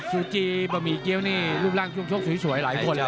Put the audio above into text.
ซูจีบะหมี่เกี้ยวนี่รูปร่างช่วงชกสวยหลายคนเลย